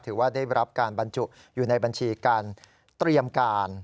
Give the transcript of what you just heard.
ถือว่าได้รับการบรรจุอยู่ในบัญชีการเตรียมการ